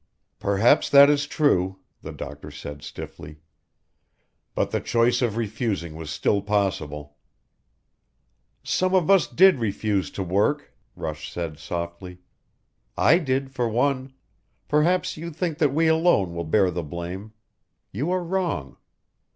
"Perhaps that is true," the doctor said stiffly, "but the choice of refusing was still possible." "Some of us did refuse to work," Rush said softly. "I did, for one. Perhaps you think that we alone will bear the blame. You are wrong.